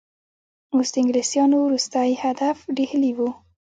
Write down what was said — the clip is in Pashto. اوس د انګلیسیانو وروستی هدف ډهلی وو.